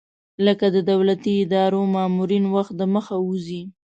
لکه د دولتي ادارو مامورین وخت دمخه وځي.